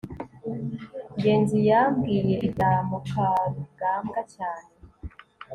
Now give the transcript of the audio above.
ngenzi yambwiye ibya mukarugambwa cyane